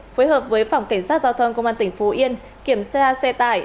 phối hợp với phòng kiểm soát giao thông công an tỉnh phú yên kiểm tra xe tải